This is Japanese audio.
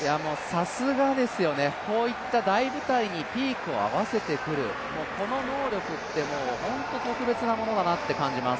さすがですよね、こういった大舞台にピークを合わせてくる、この能力って、もう本当に特別なものだなと感じます。